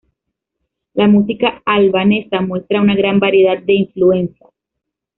La música albanesa muestra una gran variedad de influencias.